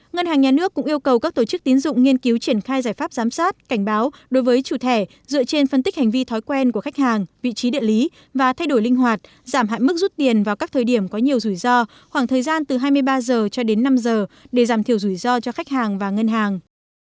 ngân hàng nhà nước cũng yêu cầu các tổ chức tín dụng nghiên cứu triển khai giải pháp giám sát cảnh báo đối với chủ thẻ dựa trên phân tích hành vi thói quen của khách hàng vị trí địa lý và thay đổi linh hoạt giảm hạn mức rút tiền vào các thời điểm có nhiều rủi ro khoảng thời gian từ hai mươi ba h cho đến năm h để giảm thiểu rủi ro cho khách hàng và ngân hàng